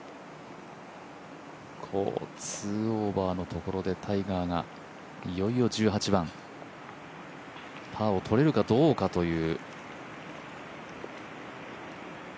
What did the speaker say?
２オーバーのところで、タイガーが、いよいよ１８番パーを取れるかどうかという。